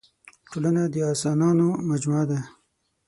ټولنه د اسانانو مجموعه ده.